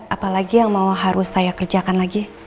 apalagi yang mau harus saya kerjakan lagi